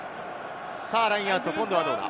ラインアウト、今度はどうだ？